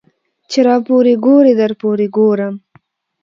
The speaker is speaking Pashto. ـ چې راپورې ګورې درپورې ګورم.